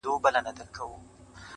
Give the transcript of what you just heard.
هغه هم نسته جدا سوی يمه~